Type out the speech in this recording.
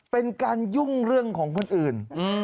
เป็นการยุ่งเรื่องของคนอื่น